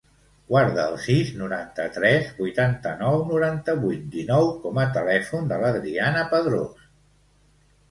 Guarda el sis, noranta-tres, vuitanta-nou, noranta-vuit, dinou com a telèfon de l'Adriana Padros.